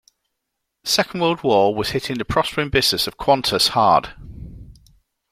Second World War was hitting the prospering business of Qantas hard.